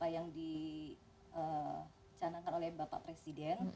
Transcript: yang dicanangkan oleh bapak presiden